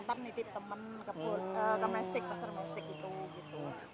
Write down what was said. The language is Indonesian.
ntar nitip temen ke mestik pasar mestik gitu